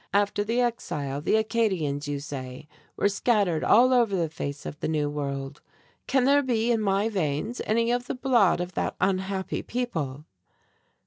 After the exile the Acadians, you say, were scattered all over the face of the New World! Can there be in my veins any of the blood of that unhappy people?"